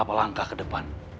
apa langkah ke depan